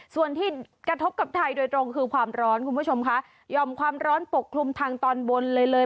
ส่วนที่กระทบกับไทยโดยตรงคือความร้อนคุณผู้ชมค่ะหย่อมความร้อนปกคลุมทางตอนบนเลยเลย